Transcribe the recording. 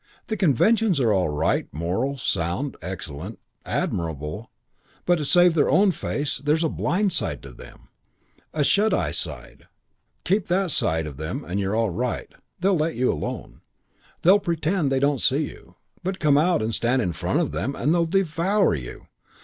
The conventions are all right, moral, sound, excellent, admirable, but to save their own face there's a blind side to them, a shut eye side. Keep that side of them and you're all right. They'll let you alone. They'll pretend they don't see you. But come out and stand in front of them and they'll devour you.